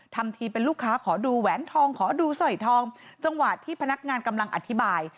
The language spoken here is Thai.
ทำทีเป็นลูกค้าขอดูแหวนทองขอดูสอยทองจังหวะที่พนักงานกำลังอธิบาย